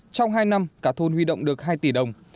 trong hai năm cả thôn huy động được hai tỷ đồng